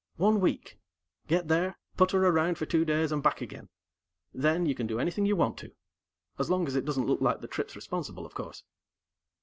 One week. Get there, putter around for two days, and back again. Then, you can do anything you want to as long as it doesn't look like the trip's responsible, of course."